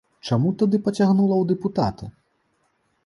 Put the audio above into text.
Чаму тады пацягнула ў дэпутаты?